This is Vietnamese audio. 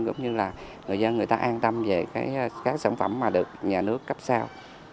cũng như là người dân người ta an tâm về các sản phẩm mà được nhà nước cấp sao